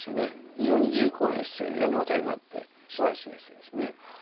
非常に重厚なエッセイで読み応えがあってすばらしいエッセイですね。